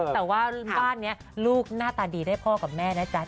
ใช่นะคะแต่ว่าบ้านนี้ลูกหน้าตาดีได้พ่อกับแม่จ้ะ